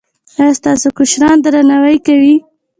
ایا ستاسو کشران درناوی کوي؟